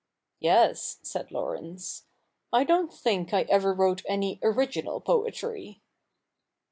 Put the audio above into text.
' Yes,' said Laurence ;' I don't think I ever wrote any original poetry.'